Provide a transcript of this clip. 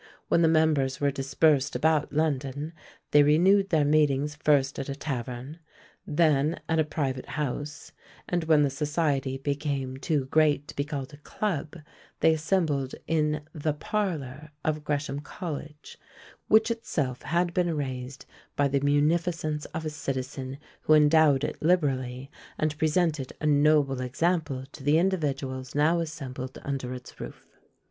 When the members were dispersed about London, they renewed their meetings first at a tavern, then at a private house; and when the society became too great to be called a club, they assembled in "the parlour" of Gresham College, which itself had been raised by the munificence of a citizen, who endowed it liberally, and presented a noble example to the individuals now assembled under its roof.